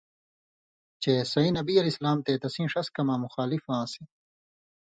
چِہ سَئیں نبی علیہ السلام تے تسِئیں ݜس کماں مخالف آنٚسے